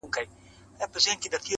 دادی ټکنده غرمه ورباندي راغله.